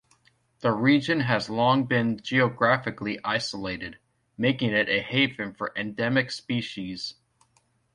The region has long been geographically isolated, making it a haven for endemic species.